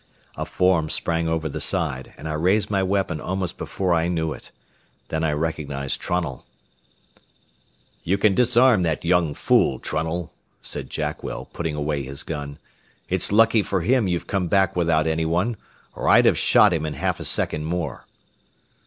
A form sprang over the side, and I raised my weapon almost before I knew it. Then I recognized Trunnell. "You can disarm that young fool, Trunnell," said Jackwell, putting away his gun. "It's lucky for him you've come back without any one, or I'd have shot him in half a second more."